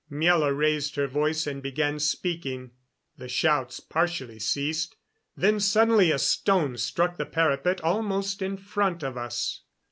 Miela raised her voice and began speaking. The shouts partially ceased, then suddenly a stone struck the parapet almost in front of us.